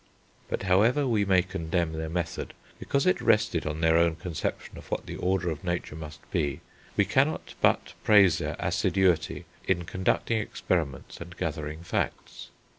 But however we may condemn their method, because it rested on their own conception of what the order of nature must be, we cannot but praise their assiduity in conducting experiments and gathering facts.